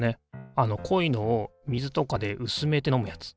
あのこいのを水とかでうすめて飲むやつ。